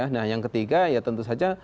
nah yang ketiga ya tentu saja